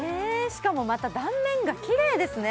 しかもまた断面がキレイですね